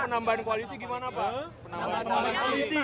penambahan koalisi gimana pak